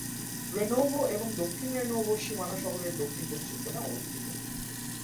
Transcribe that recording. রেনোভো এবং দক্ষিণ রেনোভোর সীমানা শহরের দক্ষিণ-পশ্চিম কোণে অবস্থিত।